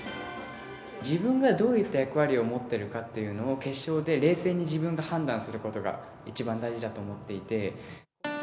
自分がどういった役割を持ってるかっていうのを、決勝で冷静に自分が判断することが、一番大事だと思っていて。